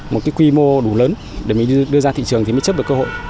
một cái quy mô đủ lớn để mình đưa ra thị trường thì mới chấp được cơ hội